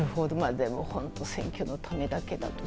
でも、選挙のためだけだと。